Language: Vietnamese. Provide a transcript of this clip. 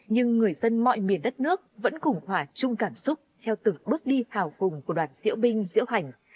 nhưng người dân mọi miền đất nước vẫn cùng hòa chung cảm xúc theo từng bước đi hào cùng của đoàn diễu binh diễu hành